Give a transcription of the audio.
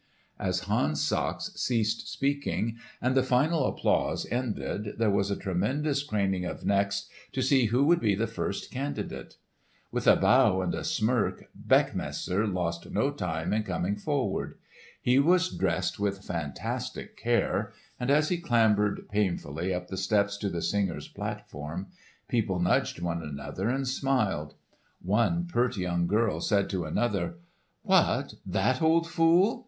As Hans Sachs ceased speaking, and the final applause ended, there was a tremendous craning of necks to see who would be the first candidate. With a bow and a smirk, Beckmesser lost no time in coming forward. He was dressed with fantastic care, and as he clambered painfully up the steps to the singer's platform, people nudged one another and smiled. One pert young girl said to another, "What! that old fool?"